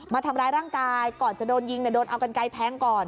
มาทำร้ายร่างกายก่อนจะโดนยิงเนี่ยโดนเอากันไกลแทงก่อน